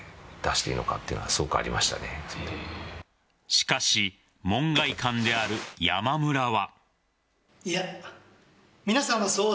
しかし、門外漢である山村は。